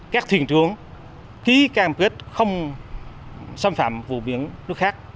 các thuyền trưởng ký cam kết không xâm phạm vùng biển nước khác